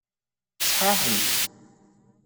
Sḥaḥi.